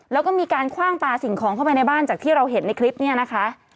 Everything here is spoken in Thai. แล้วก็มีการคว่างปลาสิ่งของเข้าไปในบ้านจากที่เราเห็นในคลิปนี้นะคะ